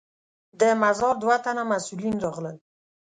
د مزار دوه تنه مسوولین راغلل.